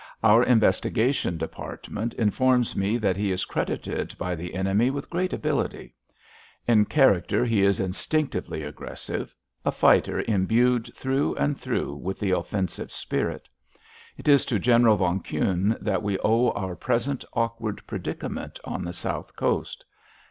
Our investigation department informs me that he is credited by the enemy with great ability. In character he is instinctively aggressive; a fighter imbued through and through with the offensive spirit. It is to General von Kuhne that we owe our present awkward predicament on the South Coast.